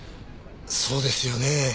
そうですよねぇ。